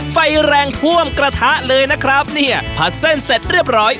ไฟแรงท่วมกระทะเลยเลยนะครับเนี่ยผัดเส้นเสร็จเรียบร้อย